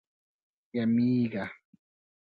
یمېږه.